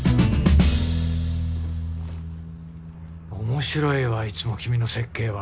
面白いわいつも君の設計は。